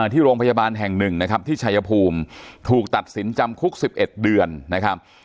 ที่โรงพยาบาลแห่งหนึ่งนะครับที่ชายภูมิถูกตัดสินจำคุก๑๑เดือนนะครับ